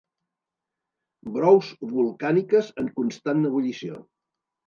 Brous volcàniques en constant ebullició.